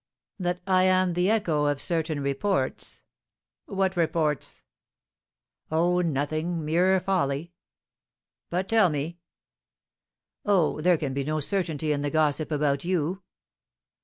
"That I am the echo of certain reports " "What reports?" "Oh, nothing. Mere folly." "But, tell me " "Oh, there can be no certainty in the gossip about you!"